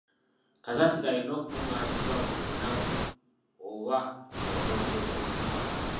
Kasasiro alina okukungaanyizibwa buli lunaku oba okwokyebwa.